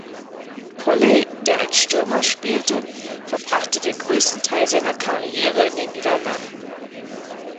Polley, der als Stürmer spielte, verbrachte den größten Teil seiner Karriere in den Niederlanden.